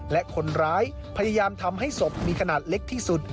และคนร้ายพยายามทำให้ศพมีขนาดเล็กที่สุด